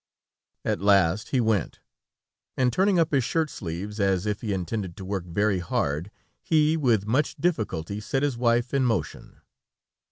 At last he went, and turning up his shirt sleeves as if he intended to work very hard, he, with much difficulty set his wife in motion.